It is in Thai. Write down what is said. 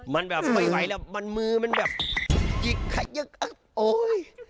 มันแบบว่าไปไหวแล้วมันมือแบบยิ่งไข่กายาฮกุ๊ย